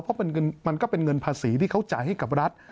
เพราะมันก็เป็นเงินภาษีที่เขาจ่ายให้กับรัฐ